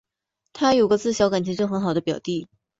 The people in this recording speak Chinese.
她有个自小感情就很好的表弟